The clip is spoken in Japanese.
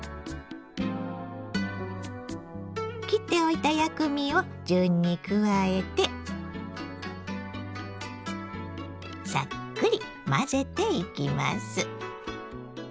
切っておいた薬味を順に加えてサックリ混ぜていきます。